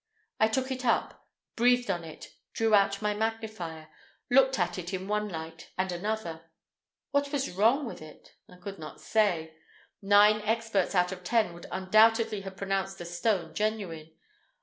I took it up, breathed on it, drew out my magnifier, looked at it in one light and another. What was wrong with it? I could not say. Nine experts out of ten would undoubtedly have pronounced the stone genuine.